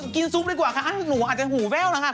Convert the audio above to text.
กินซุปดีกว่าค่ะหนูอาจจะหูแว้วนะคะ